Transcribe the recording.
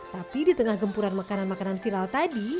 tapi di tengah gempuran makanan makanan viral tadi